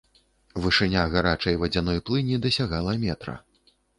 Вышыня гарачай вадзяной плыні дасягала метра.